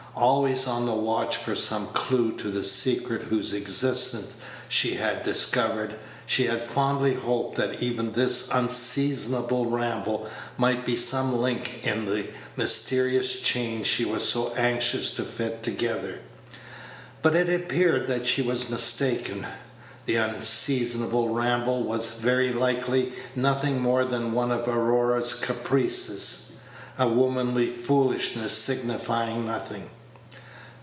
Always on the watch for some clew to the secret whose existence she had discovered, she had fondly hoped that even this unseasonable ramble might be some link in the mysterious chain she was so anxious to fit together. But it appeared that she was mistaken. The unseasonable ramble was very likely nothing more than one of Aurora's caprices a womanly foolishness signifying nothing.